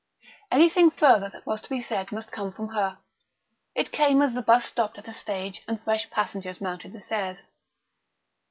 Anything further that was to be said must come from her. It came as the bus stopped at a stage and fresh passengers mounted the stairs.